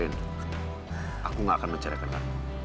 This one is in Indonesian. rin aku gak akan mencerahkan kamu